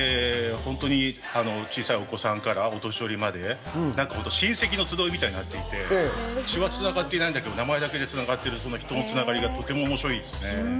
小さいお子さんからお年寄りまで、親戚の集いみたいになってきて、血はつながっていないけど、名前だけでつながっている、その人のつながりが面白いです。